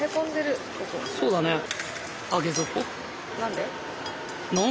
そうだね。